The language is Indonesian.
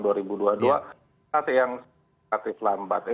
tapi yang relatif lambat